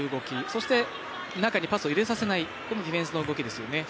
そして、中にパスを入れさせない、ディフェンスの動きですよね。